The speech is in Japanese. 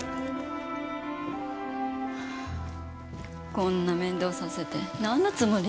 こんな面倒させて何のつもり？